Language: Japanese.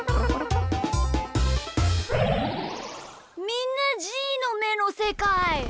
みんなじーのめのせかい。